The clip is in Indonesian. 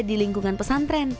di lingkungan pesantren